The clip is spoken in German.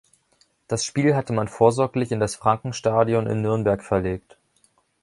Das Spiel hatte man vorsorglich in das Frankenstadion in Nürnberg verlegt.